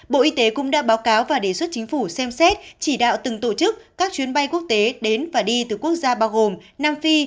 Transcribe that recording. bộ y tế cũng đã báo cáo và đề xuất chính phủ xem xét chỉ đạo từng tổ chức các chuyến bay quốc tế đến và đi từ quốc gia bao gồm nam phi